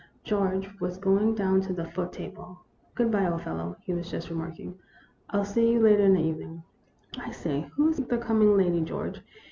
George was going down to the foot table. "Good by, old fellow," he was just remarking. " I '11 see you later in the evening." "I say, who is the coming lady, George?"